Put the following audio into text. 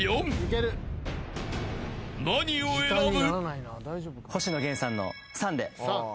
［何を選ぶ？］